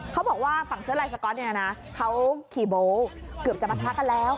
เขาบอกว่าฝั่งเสื้อลายสก๊อตเนี่ยนะเขาขี่โบ๊เกือบจะปะทะกันแล้ว